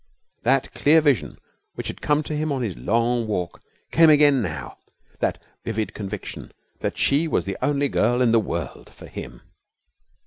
That clear vision which had come to him on his long walk came again now, that vivid conviction that she was the only girl in the world for him.